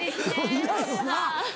いないよな。